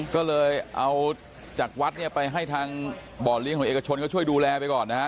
ก็เลยเอาจากวัดเนี่ยไปให้ทางบ่อเลี้ยงของเอกชนก็ช่วยดูแลไปก่อนนะฮะ